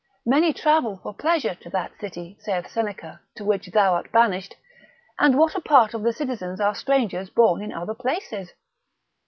Many travel for pleasure to that city, saith Seneca, to which thou art banished, and what a part of the citizens are strangers born in other places?